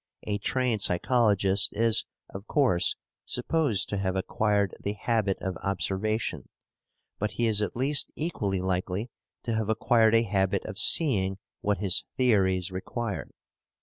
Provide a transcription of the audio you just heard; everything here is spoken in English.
A trained psychologist is, of course, supposed to have acquired the habit of observation, but he is at least equally likely to have acquired a habit of seeing what his theories require.